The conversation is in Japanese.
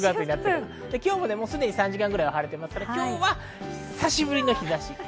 今日もすでに３時間ぐらいは晴れていますので今日は久しぶりの日差しです。